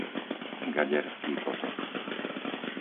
Gaderský potok